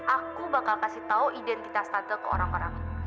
aku bakal kasih tahu identitas tante ke orang orang